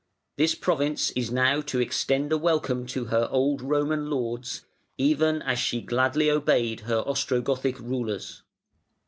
This province is now to extend a welcome to her old Roman lords, even as she gladly obeyed her Ostrogothic rulers.